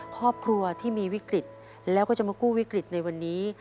ครอบครัวที่มีวิกฤตแล้วก็จะมากู้วิกฤตในวันนี้